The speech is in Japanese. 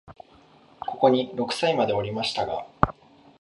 ここに六歳までおりましたが、